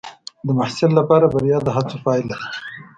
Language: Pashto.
د محصل لپاره بریا د هڅو پایله ده.